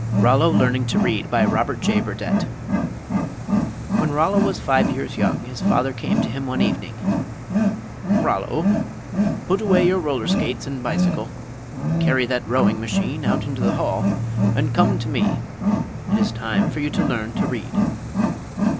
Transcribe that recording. ROLLO LEARNING TO READ BY ROBERT J. BURDETTE When Rollo was five years young, his father said to him one evening: "Rollo, put away your roller skates and bicycle, carry that rowing machine out into the hall, and come to me. It is time for you to learn to read."